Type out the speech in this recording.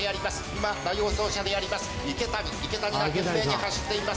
今第５走者であります池谷池谷が懸命に走っています